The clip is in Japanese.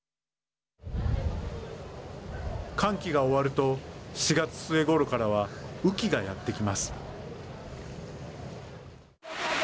乾期が終わると４月末ごろからは雨期がやって来ます。